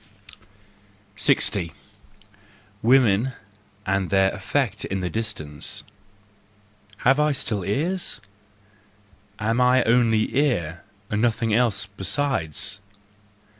60. Women and their Effect in the Distance .—Have I still ears? Am I only ear, and nothing else besides?